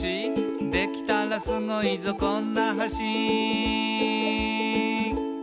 「できたらスゴいぞこんな橋」